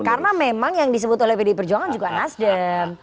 karena memang yang disebut oleh pdi perjuangan juga nasdem